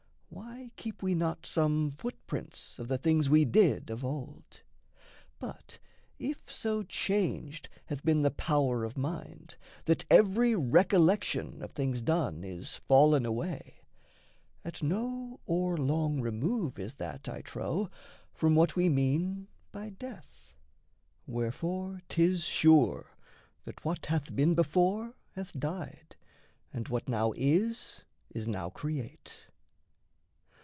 why keep we not Some footprints of the things we did of, old? But if so changed hath been the power of mind, That every recollection of things done Is fallen away, at no o'erlong remove Is that, I trow, from what we mean by death. Wherefore 'tis sure that what hath been before Hath died, and what now is is now create.